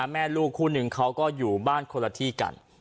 แม่ลูกคู่หนึ่งเขาก็อยู่บ้านคนละที่กัน